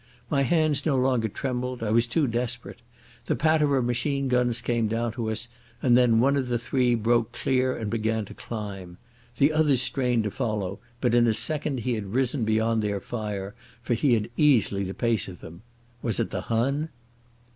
My hands no longer trembled; I was too desperate. The patter of machine guns came down to us, and then one of the three broke clear and began to climb. The others strained to follow, but in a second he had risen beyond their fire, for he had easily the pace of them. Was it the Hun?